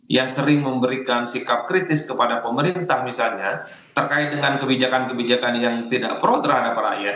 yang sering memberikan sikap kritis kepada pemerintah misalnya terkait dengan kebijakan kebijakan yang tidak pro terhadap rakyat